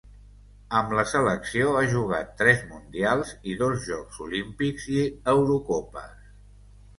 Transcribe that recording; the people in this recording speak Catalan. Amb la selecció ha jugat tres Mundials i dos Jocs Olímpics i Eurocopes.